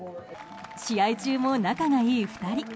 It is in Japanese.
試合中も仲がいい２人。